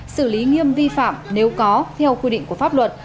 xử lý nghiêm vi phạm nếu có theo quy định của pháp luật